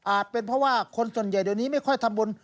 เป็นเพราะว่าคนส่วนใหญ่เดี๋ยวนี้ไม่ค่อยทำบุญ